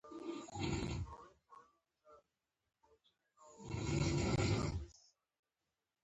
بالاخره یې د جګړې پر نړیواله جبهه باندې خرڅه کړه.